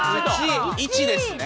１ですね。